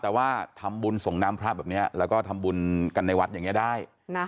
แต่ว่าทำบุญส่งน้ำพระแบบนี้แล้วก็ทำบุญกันในวัดอย่างนี้ได้